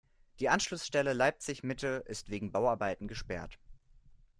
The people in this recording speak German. Die Anschlussstelle Leipzig-Mitte ist wegen Bauarbeiten gesperrt.